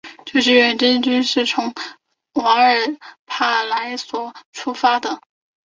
这支远征队是从瓦尔帕莱索出发的。